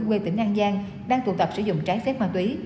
quê tỉnh an giang đang tụ tập sử dụng trái phép ma túy